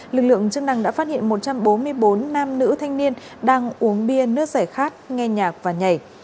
lực lượng chức năng đã phát hiện một trăm bốn mươi bốn nam nữ thanh niên đang uống bia nước giải khát nghe nhạc và nhảy